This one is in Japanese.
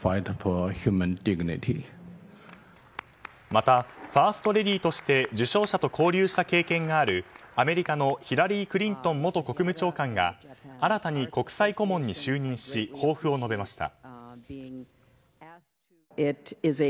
またファーストレディーとして受賞者と交流した経験があるアメリカのヒラリー・クリントン元国務長官が新たに国際顧問に就任し抱負を述べました。